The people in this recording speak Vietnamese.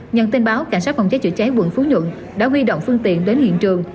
nhận tin báo cảnh sát phòng cháy chữa cháy quận phú nhuận đã huy động phương tiện đến hiện trường